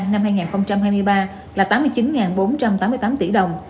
năm hai nghìn hai mươi ba là tám mươi chín bốn trăm tám mươi tám tỷ đồng